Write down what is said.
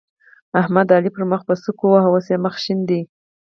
احمد؛ علي پر مخ په سوک وواهه ـ اوس يې مخ شين دی.